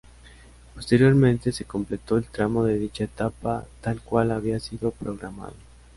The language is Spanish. Posteriormente se completó el tramo de dicha etapa tal cual había sido programado.